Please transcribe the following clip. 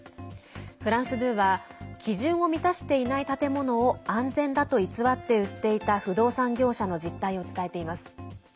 フランス２は基準を満たしていない建物を安全だと偽って売っていた不動産業者の実態を伝えています。